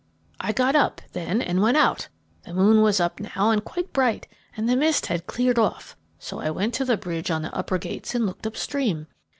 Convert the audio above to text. "I got up then and went out. The moon was up now and quite bright, and the mist had cleared off, so I went to the bridge on the upper gates and looked up stream.